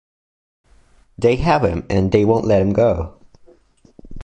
They have him and they won’t let him go.